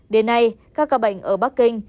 đến nay các ca bệnh ở bắc kinh